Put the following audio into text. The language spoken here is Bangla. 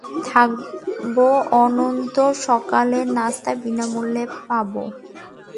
থাকব, অন্তত সকালের নাস্তা বিনামূল্যে পাব।